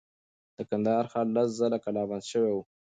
د کندهار ښار لس ځله کلا بند شوی و.